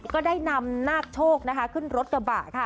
ก็ได้นำนาคโชคนะคะขึ้นรถกระบะค่ะ